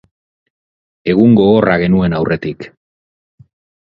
Egun gogorra genuen aurretik.